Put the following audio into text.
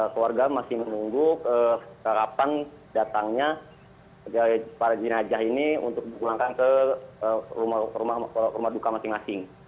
keluarga masih menunggu kapan datangnya para jenajah ini untuk dipulangkan ke rumah duka masing masing